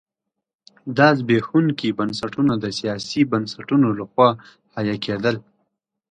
دا زبېښونکي بنسټونه د سیاسي بنسټونو لخوا حیه کېدل.